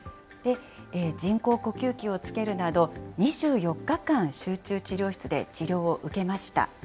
人工呼吸器をつけるなど、２４日間、集中治療室で治療を受けました。